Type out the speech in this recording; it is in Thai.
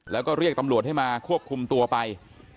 แล้วก็เรียกตำรวจให้มาควบคุมตัวไป